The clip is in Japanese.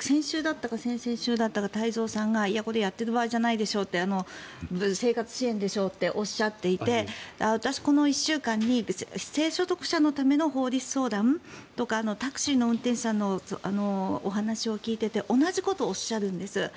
先週だったか先々週だったか太蔵さんがいや、これをやっている場合じゃないでしょって生活支援でしょっておっしゃっていて私、この１週間に低所得者のための法律相談とかタクシーの運転手さんのお話を聞いていて同じことをおっしゃるんです。